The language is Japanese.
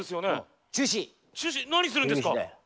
何するんですか！